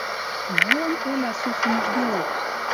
Малын ӹлӓ, сусум уждеок?